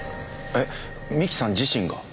えっ三木さん自身が？